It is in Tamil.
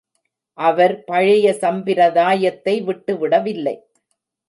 அவர் பழைய சம்பிரதாயத்தை விட்டுவிடவில்லை.